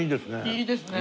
いいですね。